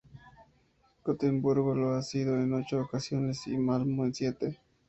Gotemburgo lo ha sido en ocho ocasiones y Malmö en siete.